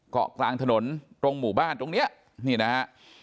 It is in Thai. เกาะกลางถนนตรงหมู่บ้านตรงเนี้ยนี่นะฮะ